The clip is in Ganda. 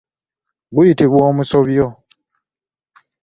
Guyutibwa omusobyo.